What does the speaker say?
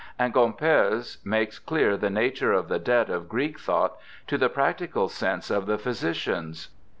And Gomperz makes clear the nature of the debt of Greek thought to the practical sense of the physicians.